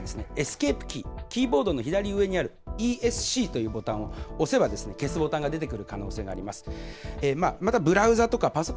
そうした際は、エスケープキー、キーボードの左上にあるＥｓｃというボタンを押せば消すボタンが出てくる可能性があります。